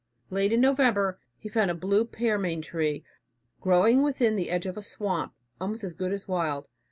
Late in November he found a blue pearmain tree growing within the edge of a swamp, almost as good as wild.